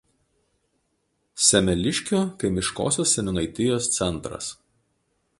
Semeliškių kaimiškosios seniūnaitijos centras.